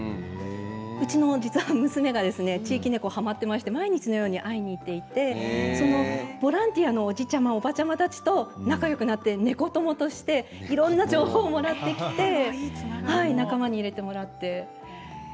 うちの娘が地域猫はまっていまして毎日のように会いに行っていてボランティアのおじちゃまおばちゃまたちと仲よくなって猫友としていろんな情報をもらってきて仲間に入れてもらって。